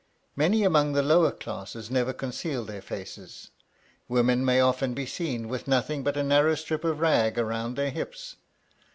Many among the lower classes never conceal their faces; women may often be seen with nothing but a narrow strip of rag round the hips.